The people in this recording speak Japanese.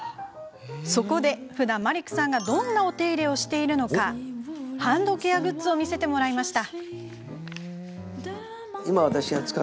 そこで、ふだんマリックさんがどんなお手入れをしているのかハンドケアグッズを見せてもらいました。